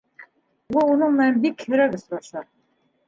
Ул уның менән бик һирәк осраша.